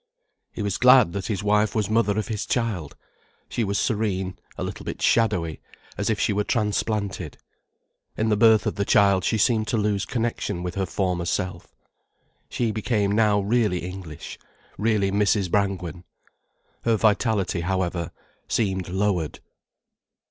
He was glad that his wife was mother of his child. She was serene, a little bit shadowy, as if she were transplanted. In the birth of the child she seemed to lose connection with her former self. She became now really English, really Mrs. Brangwen. Her vitality, however, seemed lowered.